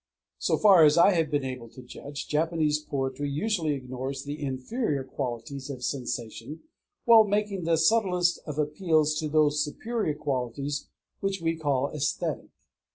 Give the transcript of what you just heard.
So far as I have been able to judge, Japanese poetry usually ignores the inferior qualities of sensation, while making the subtlest of appeals to those superior qualities which we call æsthetic.